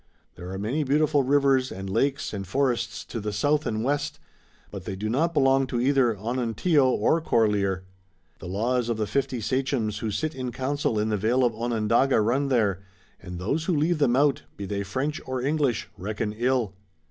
There are many beautiful rivers and lakes and forests to the south and west, but they do not belong to either Onontio or Corlear. The laws of the fifty sachems who sit in council in the vale of Onondaga run there, and those who leave them out, be they French or English, reckon ill.